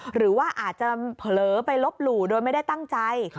หรือว่าอาจจะเผลอไปลบหลู่โดยไม่ได้ตั้งใจ